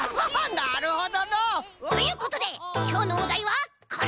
なるほどのう！ということできょうのおだいはこれ！